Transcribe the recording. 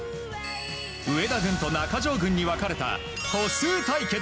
上田軍と中条軍に分かれた歩数対決。